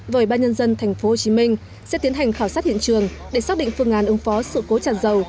với ủy ban nhân dân tp hcm sẽ tiến hành khảo sát hiện trường để xác định phương án ứng phó sự cố tràn dầu